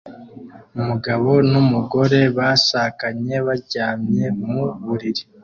Umugabo n'umugore bashakanye baryamye mu buriri